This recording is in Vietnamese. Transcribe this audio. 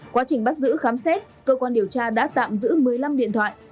quá trình bắt giữ khám xét cơ quan điều tra đã tạm giữ một mươi năm điện thoại